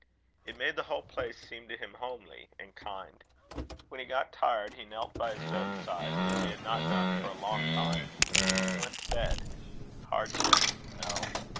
It made the whole place seem to him homely and kind. When he got tired, he knelt by his bedside, which he had not done for a long time, and then went to bed. Hardship! No.